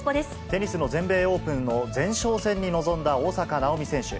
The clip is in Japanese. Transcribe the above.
テニスの全米オープンの前哨戦に臨んだ大坂なおみ選手。